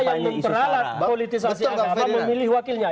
faktanya bahwa jokowi yang memperalat politisasi agama memilih wakilnya